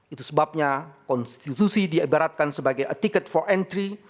itu sebabnya konstitusi diibaratkan sebagai a ticket for entry